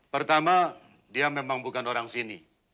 pertama dia memang bukan orang sini